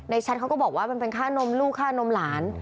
แชทเขาก็บอกว่ามันเป็นค่านมลูกค่านมหลาน